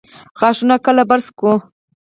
غاښونه کله برس کړو؟